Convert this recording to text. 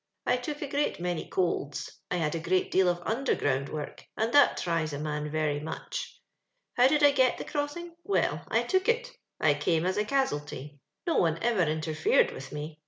I took a great many colds. I had a great deal of underground work, and that tries a man very much. " How did I get the crossing ? Well, I took it— I came as a cas'alty. No one ever inter fered with me.